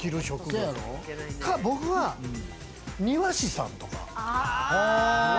か、僕は庭師さんとか？